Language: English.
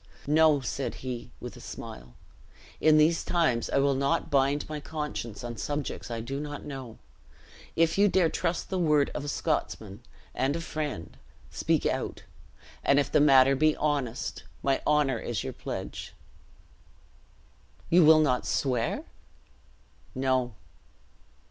"No," said he, with a smile; "in these times I will not bind my conscience on subjects I do not know. If you dare trust the word of a Scotsman and a friend, speak out; and if the matter be honest, my honor is your pledge." "You will not swear?" "No."